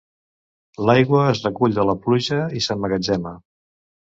L'aigua es recull de la pluja i s'emmagatzema.